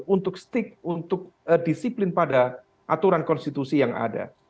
untuk menetapkan disiplin pada aturan konstitusi yang ada